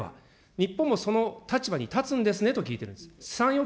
日本もその立場に立つんですねって聞いてるんです。